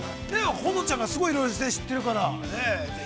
◆保乃ちゃんが、いろいろ知ってるからね。